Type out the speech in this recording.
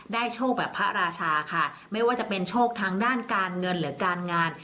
โชคแบบพระราชาค่ะไม่ว่าจะเป็นโชคทางด้านการเงินหรือการงาน